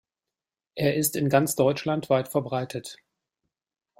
Er ist in ganz Deutschland weit verbreitet.